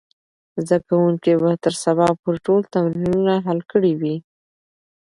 زده کوونکي به تر سبا پورې ټول تمرینونه حل کړي وي.